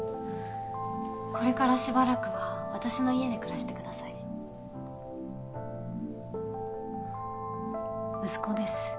これからしばらくは私の家で暮らして息子です。